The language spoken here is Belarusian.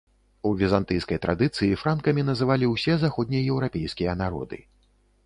У візантыйскай традыцыі франкамі называлі ўсе заходнееўрапейскія народы.